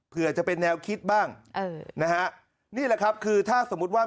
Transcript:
เพื่อจะเป็นแนวคิดบ้างเออนะฮะนี่แหละครับคือถ้าสมมุติว่า